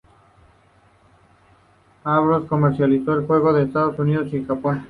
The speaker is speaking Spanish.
Hasbro comercializó el juego en Estados Unidos y Japón.